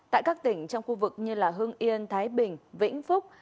tại các tỉnh trong khu vực như hưng yên thái bình vĩnh phúc